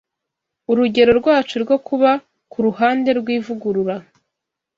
Urugero Rwacu rwo Kuba ku Ruhande rw’Ivugurura